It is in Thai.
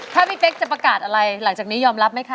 ถ้าพี่เป๊กจะประกาศอะไรหลังจากนี้ยอมรับไหมคะ